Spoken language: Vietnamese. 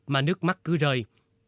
mà nước mắt cứ rơi